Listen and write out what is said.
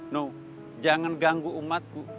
nuh jangan ganggu umatku